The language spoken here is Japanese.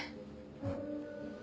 うん。